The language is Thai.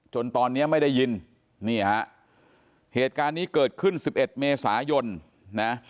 จนตอนนี้ไม่ได้ยินนี่ฮะเหตุการณ์นี้เกิดขึ้น๑๑เมษายนนะ